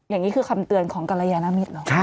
อย่างนี้คือคำเตือนของกระยะนามิต